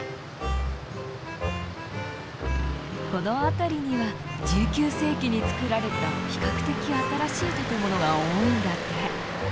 この辺りには１９世紀に造られた比較的新しい建物が多いんだって。